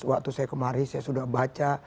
waktu saya kemari saya sudah baca